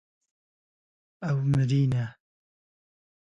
Ew mirî ne.